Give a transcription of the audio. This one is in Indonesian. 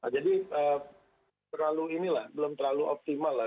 jadi terlalu ini lah belum terlalu optimal lah